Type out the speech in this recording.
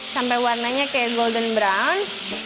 sampai warnanya kayak golden brown